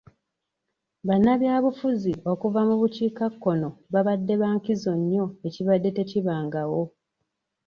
Bannabyabufuzi okuva mu bukiikakkono babadde ba nkizo nnyo ekibadde tekibangawo.